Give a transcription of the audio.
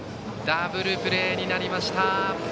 ダブルプレーになりました。